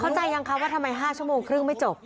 ยังคะว่าทำไม๕ชั่วโมงครึ่งไม่จบ